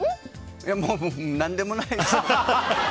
もう何でもないです。